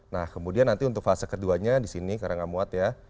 nah kemudian nanti untuk fase keduanya di sini karena gak muat ya